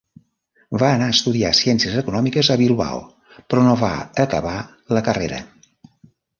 Va anar a estudiar Ciències Econòmiques a Bilbao però no va acabar la carrera.